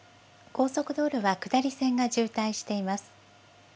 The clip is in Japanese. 高速道路は下り線が渋滞しています。